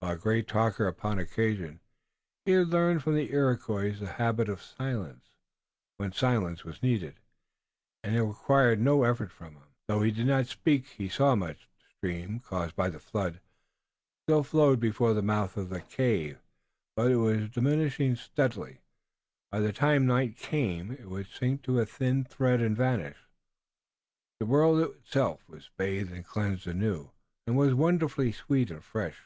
While a great talker upon occasion, he had learned from the Iroquois the habit of silence, when silence was needed, and it required no effort from him. Though he did not speak he saw much. The stream, caused by the flood, still flowed before the mouth of the cave, but it was diminishing steadily. By the time night came it would sink to a thin thread and vanish. The world itself, bathed and cleansed anew, was wonderfully sweet and fresh.